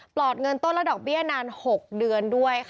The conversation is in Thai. อดเงินต้นและดอกเบี้ยนาน๖เดือนด้วยค่ะ